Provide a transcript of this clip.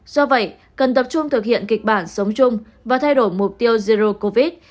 do vậy cần tập trung thực hiện kịch bản sống chung và thay đổi mục tiêu zero covid